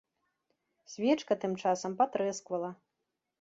Свечка тым часам патрэсквала.